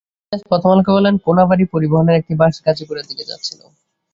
সিরাজ প্রথম আলোকে বলেন, কোনাবাড়ী পরিবহনের একটি বাস গাজীপুরের দিকে যাচ্ছিল।